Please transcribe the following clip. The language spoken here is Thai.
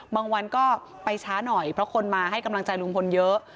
วันก็ไปช้าหน่อยเพราะคนมาให้กำลังใจลุงพลเยอะ